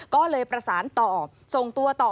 ก็เลยประสานต่อส่งตัวต่อ